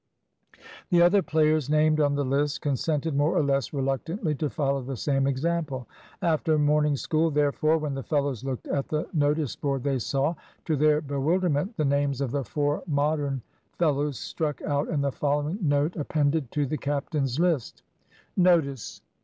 The other players named on the list consented more or less reluctantly to follow the same example. After morning school, therefore, when the fellows looked at the notice board, they saw, to their bewilderment, the names of the four Modern fellows struck out and the following note appended to the captain's list "Notice.